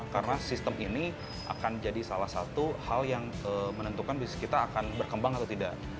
karena sistem ini akan jadi salah satu hal yang menentukan bisnis kita akan berkembang atau tidak